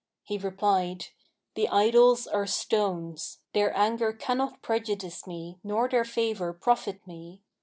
He replied, 'The idols are stones; their anger cannot prejudice me nor their favour profit me.